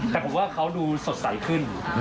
แต่ผมว่าเขาดูสดใสขึ้น